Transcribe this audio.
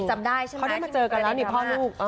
เขาได้มาเจอกันแล้วนี่พ่อลูก